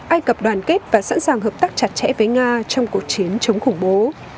ai cập đoàn kết và sẵn sàng hợp tác chặt chẽ với nga trong cuộc chiến chống khủng bố